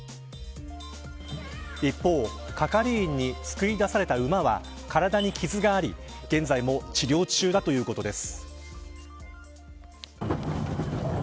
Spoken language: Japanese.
一方、係員に救い出された馬は体に傷があり現在も治療中だということです。